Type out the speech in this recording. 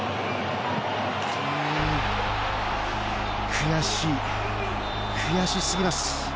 悔しい悔しすぎます。